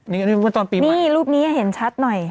นี่รูปนี้เห็นชัดหน่อย